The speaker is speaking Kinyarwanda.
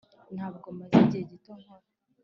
ntabwo maze igihe gito nkora.